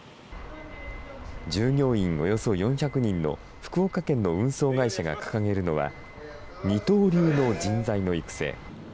従業員およそ４００人の福岡県の運送会社が掲げるのは、二刀流の人材の育成。